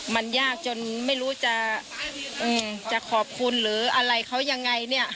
มันยากจนไม่รู้จะขอบคุณหรืออะไรเขายังไงเนี่ย